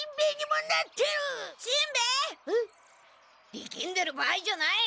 力んでる場合じゃない！